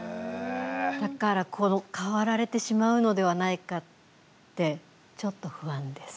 だから、代わられてしまうのではないかって、ちょっと不安です。